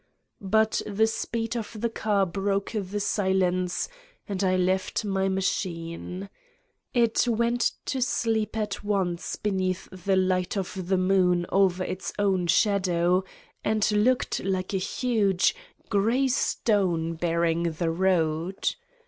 But the speed of the car broke the silence and I left my machine. It went to sleep at once beneath the light of the moon over its own shadow and looked like a huge, gray 94 Satan's Diary stone barring the road.